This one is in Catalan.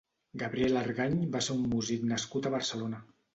Gabriel Argany va ser un músic nascut a Barcelona.